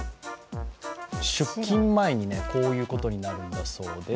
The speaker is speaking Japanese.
出勤前にこういうことになるんだそうです。